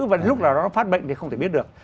và lúc nào nó phát bệnh thì không thể biết được